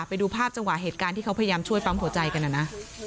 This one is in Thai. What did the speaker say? ไปดูภาพจังหวะเหตุการณ์ที่เขาพยายามช่วยปั๊มหัวใจกันนะ